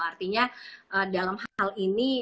artinya dalam hal ini